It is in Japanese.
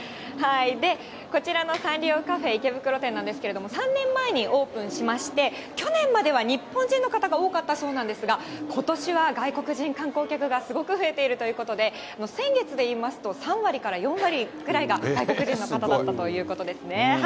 こちらのサンリオカフェ池袋店なんですけれども、３年前にオープンしまして、去年までは日本人の方が多かったそうなんですが、ことしは外国人観光客がすごく増えているということで、先月でいいますと３割から４割くらいが外国人の方だったということですね。